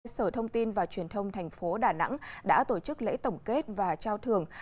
sở thông tin và truyền thông thành phố đà nẵng đã tổ chức lễ tổng kết và trao thưởng